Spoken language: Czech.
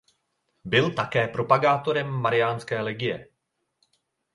Byl také propagátorem mariánské legie.